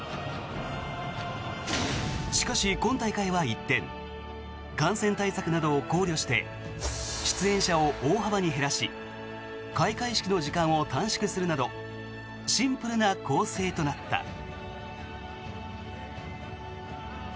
しかし今大会は一転感染対策などを考慮して出演者を大幅に減らし開会式の時間を短縮するなどシンプルな構成となった。